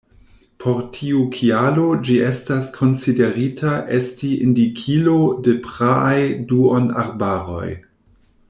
Por tiu kialo ĝi estas konsiderita esti indikilo de praaj duonarbaroj.